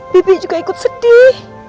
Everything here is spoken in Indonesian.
bibi juga ikut sedih